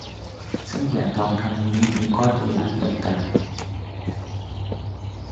ซึ่งแหวนทองคำนี้มีข้อดีหลายประการ